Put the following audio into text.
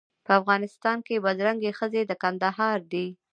په افغانستان کې بدرنګې ښځې د کندهار دي.